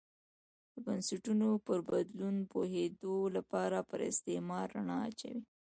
د بنسټونو پر بدلون پوهېدو لپاره پر استعمار رڼا اچوو.